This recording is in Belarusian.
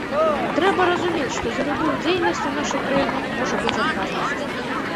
Трэба разумець, што за любую дзейнасць у нашай краіне можа быць адказнасць.